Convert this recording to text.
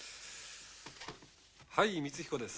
はい光彦です。